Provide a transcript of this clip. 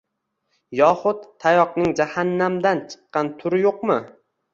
Yoxud tayoqning jahannamdan chiqqan turi yo'qmi?